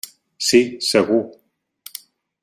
Sí, segur.